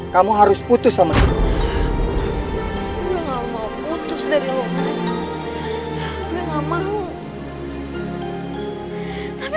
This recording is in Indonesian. kamu harus putus sama dia